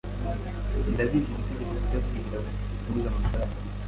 Ndabigira itegeko kutazigera nguza amafaranga.